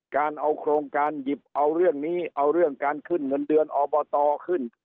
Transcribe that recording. การเอาโครงการหยิบเอาเรื่องนี้เอาเรื่องการขึ้นเงินเดือนอบตขึ้น